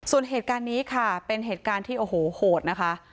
ส่วนเหตุการณ์นี้ค่ะเป็นเหตุการณ์ที่โอ้โหโหดนะคะ